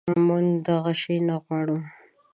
منږ دغه شی نه غواړو